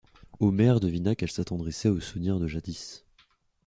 Omer devina qu'elle s'attendrissait au souvenir de jadis.